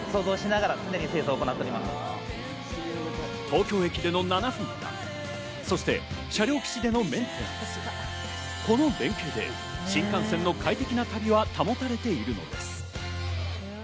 東京駅での７分間、そして車両基地でのメンテナンス、この連携で新幹線の快適な旅は保たれているのです。